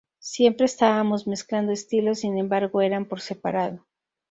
Siempre estábamos mezclando estilos, sin embargo eran por separado"".